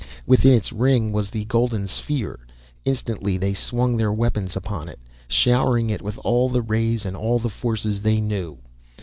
Within its ring was the golden sphere. Instantly, they swung their weapons upon it, showering it with all the rays and all the forces they knew.